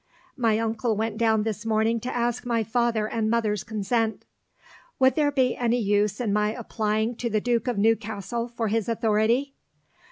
My uncle went down this morning to ask my father and mother's consent. Would there be any use in my applying to the Duke of Newcastle for his authority?